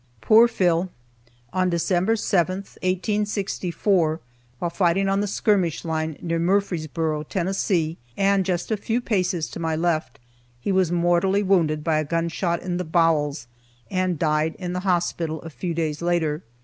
Poor Phil! On December 7, 1864, while fighting on the skirmish line near Murfreesboro, Tennessee, and just a few paces to my left, he was mortally wounded by a gun shot in the bowels and died in the hospital a few days later.